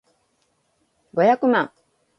五百万